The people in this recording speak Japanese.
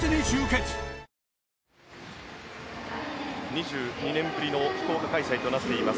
２２年ぶりの福岡開催となっています